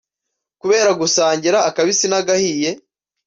Kubera gusangira akabisi n’agahiye